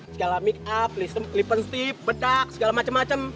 scala make up lip and strip bedak segala macem macem